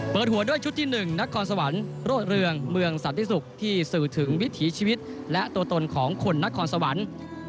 หัวด้วยชุดที่๑นครสวรรค์โรดเรืองเมืองสันติศุกร์ที่สื่อถึงวิถีชีวิตและตัวตนของคนนครสวรรค์